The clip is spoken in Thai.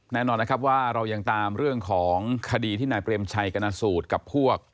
แน่นอนนะครับว่าเรายังตามเรื่องของคดีที่นายเปรมชัยกรณสูตรกับพวก